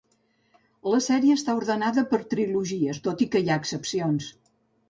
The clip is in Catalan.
La sèrie està ordenada per trilogies, tot i que hi ha excepcions.